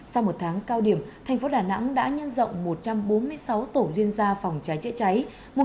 sau một tháng cao điểm tp đà nẵng đã nhân rộng một trăm bốn mươi sáu tổ liên gia phòng cháy chữa cháy